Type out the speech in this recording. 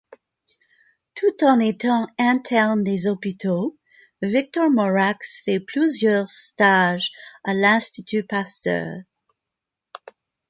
Tout en étant interne des hôpitaux, Victor Morax fait plusieurs stages à l'Institut Pasteur.